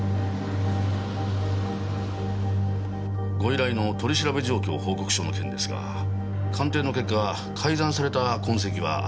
ご依頼の「取調べ状況報告書」の件ですが鑑定の結果改ざんされた痕跡はありませんでした。